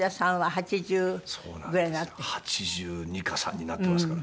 ８２か８３になってますから。